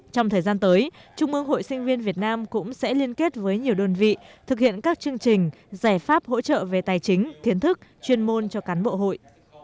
trong thời gian tới trung ương hội sinh viên việt nam cũng sẽ liên kết với nhiều đơn vị thực hiện các chương trình giải pháp hỗ trợ về tài chính kiến thức chuyên môn cho cán bộ hội